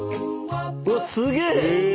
うわっすげえ！